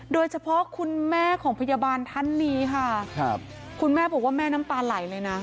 คุณแม่ของพยาบาลท่านนี้ค่ะครับคุณแม่บอกว่าแม่น้ำตาไหลเลยนะ